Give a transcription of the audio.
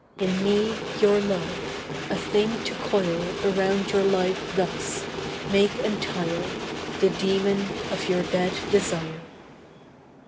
In me your love! A thing to coil Around your life thus! Make entire! The demon of your dead desire!"